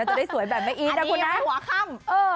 จะได้สวยแบบแม่อีทนะคุณนักอันนี้ให้หัวค่ำ